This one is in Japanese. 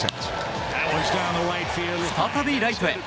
再びライトへ。